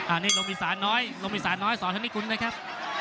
อ่านี่ลมศาลน้อยลมศาลน้อยสอนธนิกุลนะครับ